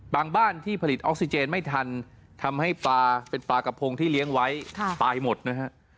บ้านที่ผลิตออกซิเจนไม่ทันทำให้ปลาเป็นปลากระพงที่เลี้ยงไว้ตายหมดนะฮะ